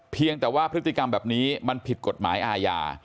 เพียงแต่ว่าพฤติกรรมแบบนี้มันผิดกฎหมายอาญา